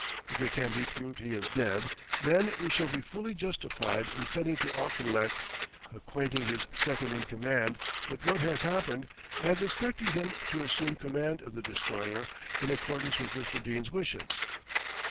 If it can be proved he is dead, then we shall be fully justified in sending to Auchinlech, acquainting his second in command with what has happened, and instructing him to assume command of the Destroyer in accordance with Mr. Dene's wishes."